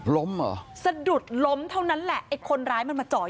ล้มเหรอสะดุดล้มเท่านั้นแหละไอ้คนร้ายมันมาจ่อย